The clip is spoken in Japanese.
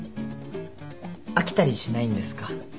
飽きたりしないんですか？